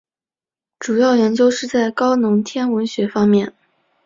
主要研究是在高能天文学方面。